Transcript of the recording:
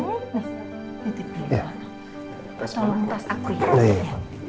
tolong tas aku ya